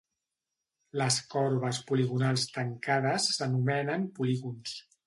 Les corbes poligonals tancades s'anomenen polígons.